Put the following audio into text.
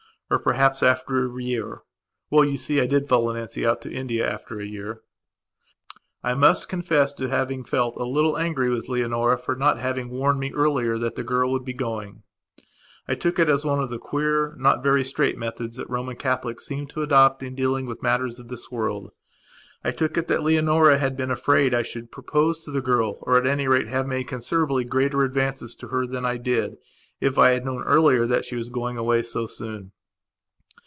Or, perhaps, after a year. Well, you see, I did follow Nancy out to India after a year.... I must confess to having felt a little angry with Leonora for not having warned me earlier that the girl would be going. I took it as one of the queer, not very straight methods that Roman Catholics seem to adopt in dealing with matters of this world. I took it that Leonora had been afraid I should propose to the girl or, at any rate, have made considerably greater advances to her than I did, if I had known earlier that she was going away so soon.